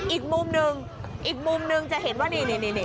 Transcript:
อีกมุมหนึ่งอีกมุมนึงจะเห็นว่านี่